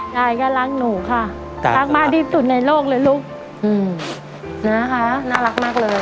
ยายก็รักหนูค่ะรักมากที่สุดในโลกเลยลูกนะคะน่ารักมากเลย